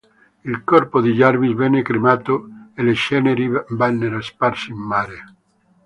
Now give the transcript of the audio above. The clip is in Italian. Il corpo di Jarvis venne cremato e le ceneri vennero sparse in mare.